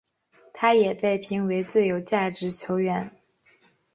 他也被评为最有价值球员。